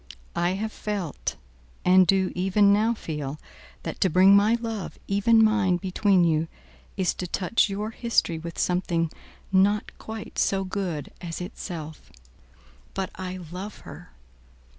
I have felt, and do even now feel, that to bring my love even mine between you, is to touch your history with something not quite so good as itself. But I love her.